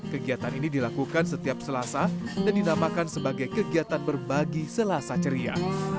kegiatan ini dilakukan setiap selasa dan dinamakan sebagai kegiatan berbagi selasa ceria